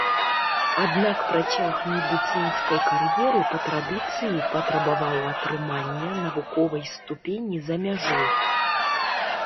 Аднак працяг медыцынскай кар'еры па традыцыі патрабаваў атрымання навуковай ступені за мяжой.